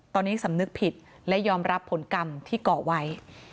ตอนนี้สำนึกผิดและยอมรับผลกรรมที่ก่อไว้